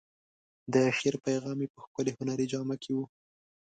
د شعر پیغام یې په ښکلې هنري جامه کې و.